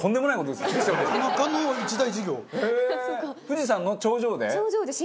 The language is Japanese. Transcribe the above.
富士山の頂上で？